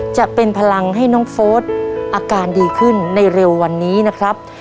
จะเป็นพลังให้น้องโฟสอาการดีขึ้นในเร็ววันนี้นะครับ